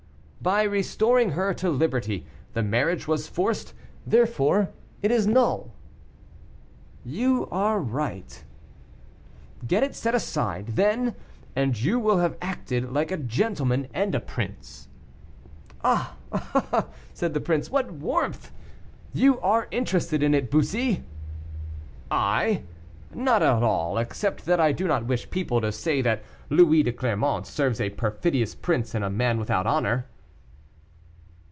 "By restoring her to liberty. The marriage was forced, therefore it is null." "You are right." "Get it set aside, then, and you will have acted like a gentleman and a prince." "Ah, ah!" said the prince, "what warmth! you are interested in it, Bussy." "I! not at all, except that I do not wish people to say that Louis de Clermont serves a perfidious prince and a man without honor."